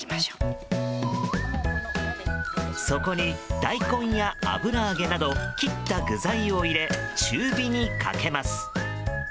そこに、大根や油揚げなど切った具材を入れ中火にかけます。